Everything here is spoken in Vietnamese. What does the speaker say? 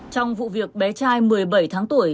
trong vụ việc bé trai một mươi bảy tháng tuổi